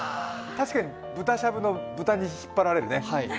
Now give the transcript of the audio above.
確かに豚しゃぶの豚に引っ張られるね。